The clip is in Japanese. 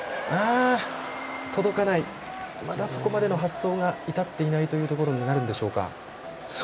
届かない、まだそこまでの発想に至っていないということになるんでしょうか。